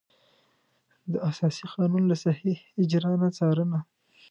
د اساسي قانون له صحیح اجرا نه څارنه.